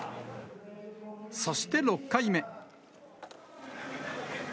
そして６回目。